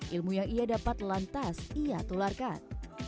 ilmu yang ia dapat lantas ia tularkan